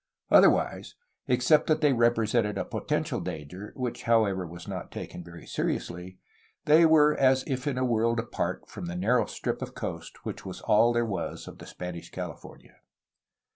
Otherwise, except that they repre sented a potential danger, — ^which, however, was not taken very seriously, — they were as if in a world apart from the narrow strip of coast which was all there was of the Spanish California.